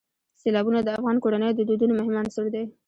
سیلابونه د افغان کورنیو د دودونو مهم عنصر دی.